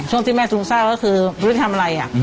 ช่วงที่แม่ซึมเศร้าก็คือเราจะทำอะไร